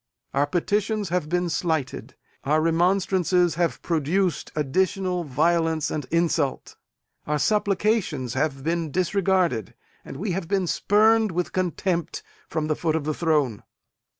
Our petitions have been slighted; our remonstrances have produced additional violence and insult; our supplications have been disregarded; and we have been spurned, with contempt, from the foot of the throne!